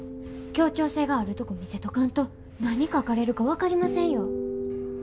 協調性があるとこ見せとかんと何書かれるか分かりませんよ。